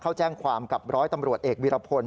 เขาแจ้งความกับร้อยตำรวจเอกวิรพล